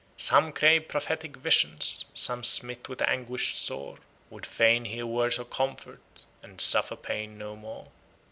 Some crave prophetic visions, some smit with anguish sore Would fain hear words of comfort and suffer pain no more."